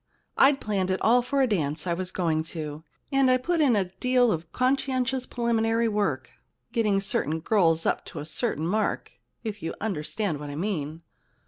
I'd planned it all for a dance I was going to, and I'd put in a deal of conscientious preliminary work, getting certain girls up to a certain mark, if you understand what I mean.